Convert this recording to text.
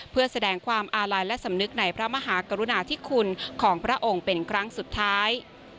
เพื่อแสดงความอาลัยและสำนึกในพระมหากรุณาธิคุณของพระองค์เป็นครั้งสุดท้าย